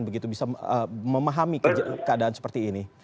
begitu bisa memahami keadaan seperti ini